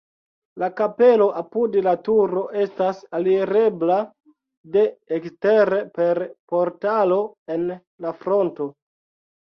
La kapelo apud la turo estas alirebla de ekstere per portalo en la fronto.